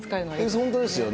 本当ですよね。